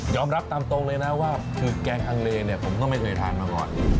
รับตามตรงเลยนะว่าคือแกงอังเลเนี่ยผมก็ไม่เคยทานมาก่อน